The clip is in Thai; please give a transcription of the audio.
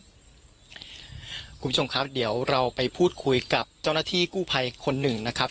คุณผู้ชมครับเดี๋ยวเราไปพูดคุยกับเจ้าหน้าที่กู้ภัยคนหนึ่งนะครับ